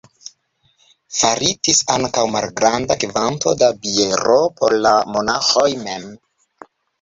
Faritis ankaŭ malgranda kvanto da biero por la monaĥoj mem.